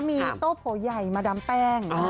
มีโต้โผยัยมาดามแป้ง